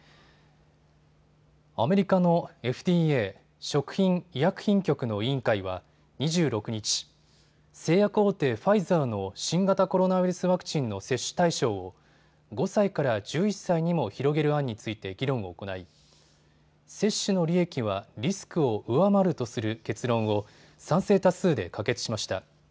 アメリカのＦＤＡ・食品医薬品局の委員会は２６日、製薬大手ファイザーの新型コロナウイルスワクチンの接種対象を５歳から１１歳にも広げる案について議論を行い接種の利益はリスクを上回るとする結論を賛成多数で可決しました。